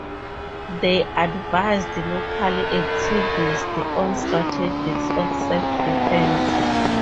They advised local activists on strategies of self-defense.